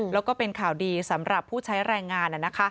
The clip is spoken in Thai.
แล้วก็เป็นข่าวดีสำหรับผู้ใช้แรงงาน